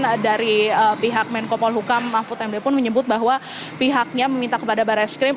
dan dari pihak menkopol hukam mahfud md pun menyebut bahwa pihaknya meminta kepada bares krim